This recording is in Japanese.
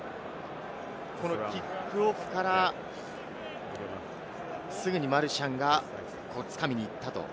キックオフからすぐにマルシャンがつかみにいったという。